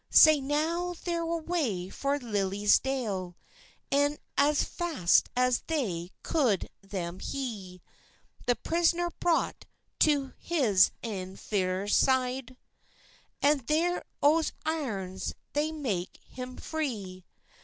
Sae now they're away for Liddisdale, Een as fast as they coud them hie; The prisner's brought to his ain fireside, And there o's airns they make him free.